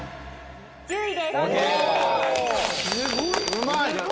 １０位です。